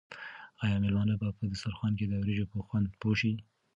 آیا مېلمانه به په دسترخوان کې د وریجو په خوند پوه شي؟